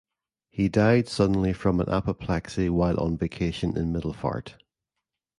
He died suddenly from an apoplexy while on vacation in Middelfart.